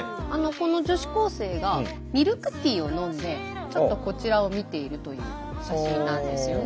この女子高生がミルクティーを飲んでちょっとこちらを見ているという写真なんですよね。